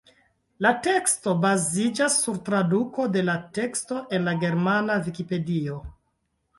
La teksto baziĝas sur traduko de la teksto en la germana vikipedio.